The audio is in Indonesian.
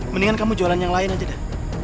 mendingan kamu jualan yang lain aja deh